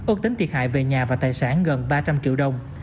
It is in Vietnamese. ước tính thiệt hại về nhà và tài sản gần ba trăm linh triệu đồng